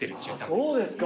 そうですか。